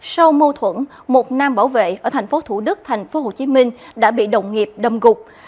sau mâu thuẫn một nam bảo vệ ở thành phố thủ đức thành phố hồ chí minh đã bị đồng nghiệp đâm gục